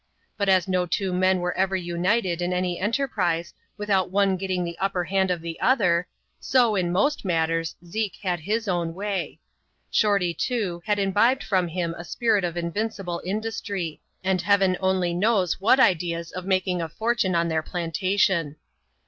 But as no two men were ever united in any enter* prise, without one getting the upper hand of the other ; so, in most matters, Zeke had his own way. Shorty, too, had imbibed from him a spirit of invincible industry ; and Heaven only knows what ideas of making a fortune on their plantation.